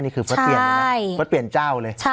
นี่คือเฟิร์ตเปลี่ยนเลยนะเฟิร์ตเปลี่ยนเจ้าเลย